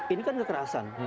ini kan kekerasan